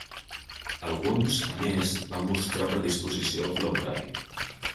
Alguns, amés, van mostrar predisposició a col·laborar-hi.